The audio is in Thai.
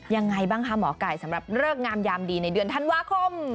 ยังไงบ้างคะหมอไก่สำหรับเลิกงามยามดีในเดือนธันวาคม